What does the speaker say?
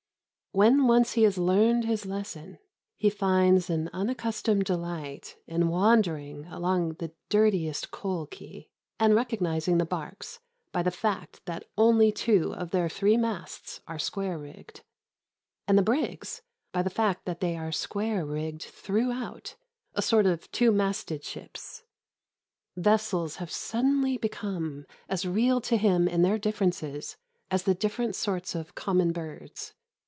When once he has learned his lesson, he finds an unaccustomed delight in wandering along the dirtiest coal quay, and recognising the barques by the fact that only two of their three masts are square rigged, and the brigs by the fact that they are square rigged throughout a sort of two masted ships. Vessels have suddenly become as real to him in their differences as the different sorts of common birds.